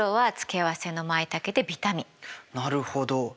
なるほど。